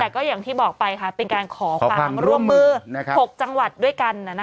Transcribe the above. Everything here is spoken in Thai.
แต่ก็อย่างที่บอกไปเป็นการขอความร่วมมือ๖จังหวัดด้วยกัน